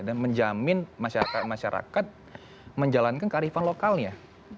dan menjamin masyarakat masyarakat menjalankan kearifan lokalnya